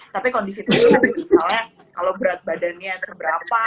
tapi kondisi tubuh misalnya kalau berat badannya seberapa